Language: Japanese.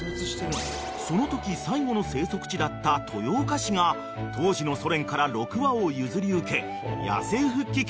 ［そのとき最後の生息地だった豊岡市が当時のソ連から６羽を譲り受け野生復帰計画をスタート］